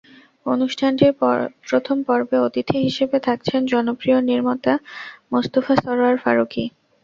অনুষ্ঠানটির প্রথম পর্বে অতিথি হিসেবে থাকছেন জনপ্রিয় নির্মাতা মোস্তফা সরয়ার ফারুকী।